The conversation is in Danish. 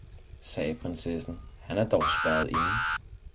sagde prinsessen, han er dog spærret inde?